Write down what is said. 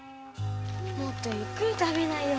もっとゆっくり食べなよ。